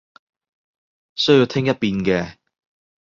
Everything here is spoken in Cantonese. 需要聽一遍嘅